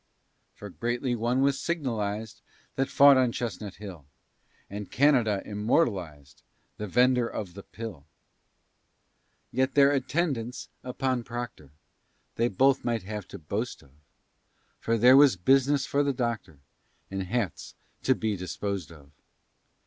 For greatly one was signaliz'd, That fought on Chestnut Hill; And Canada immortaliz'd The vender of the pill. Yet their attendance upon Proctor, They both might have to boast of; For there was business for the doctor, And hats to be disposed of.